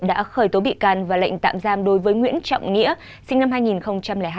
đã khởi tố bị can và lệnh tạm giam đối với nguyễn trọng nghĩa sinh năm hai nghìn hai